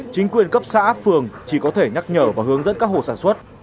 chính quyền cấp xã phường chỉ có thể nhắc nhở và hướng dẫn các hộ sản xuất